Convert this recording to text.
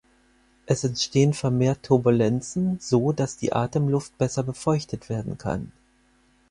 Es entstehen vermehrt Turbulenzen, so dass die Atemluft besser befeuchtet werden kann.